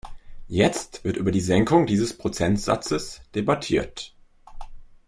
Jetzt wird über die Senkung dieses Prozentsatzes debattiert.